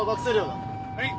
はい。